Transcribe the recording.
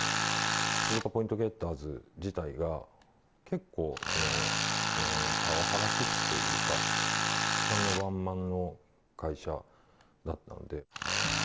鈴鹿ポイントゲッターズ自体が、結構、パワハラ気質というか、×××さんのワンマンの会社だったんで。